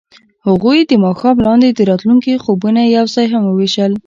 هغوی د ماښام لاندې د راتلونکي خوبونه یوځای هم وویشل.